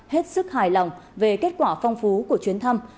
hết sức hài lòng về kết quả phong phú của chuyến thăm